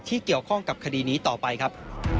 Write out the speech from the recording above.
เกี่ยวข้องกับคดีนี้ต่อไปครับ